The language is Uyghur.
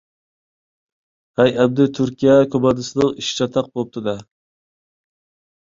ھەي، ئەمدى تۈركىيە كوماندىسىنىڭ ئىشى چاتاق بولۇپتۇ-دە!